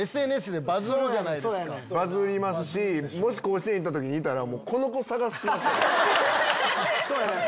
バズりますしもし甲子園行った時にいたら。